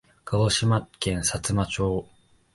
鹿児島県さつま町